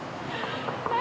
何？